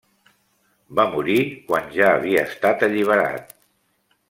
Va morir quan ja havia estat alliberat.